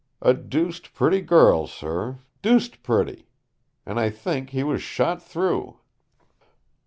A deuced pretty girl, sir, deuced pretty! And I think he was shot through!"